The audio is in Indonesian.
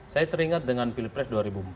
saya teringat dengan pilpres dua ribu empat belas